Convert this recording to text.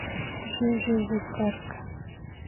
Llullu llukarka